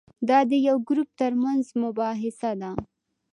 دا د یو ګروپ ترمنځ مباحثه ده.